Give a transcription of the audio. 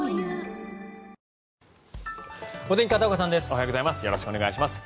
おはようございます。